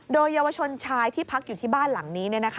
โดยเยาวชนชายที่พักอยู่ที่บ้านหลังนี้